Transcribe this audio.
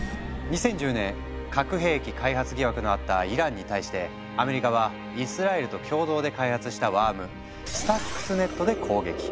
２０１０年核兵器開発疑惑のあったイランに対してアメリカはイスラエルと共同で開発したワーム「スタックスネット」で攻撃。